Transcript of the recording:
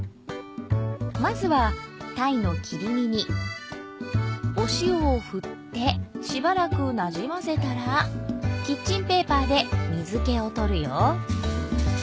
まずはたいの切り身にお塩をふってしばらくなじませたらキッチンペーパーで水気をとるよ。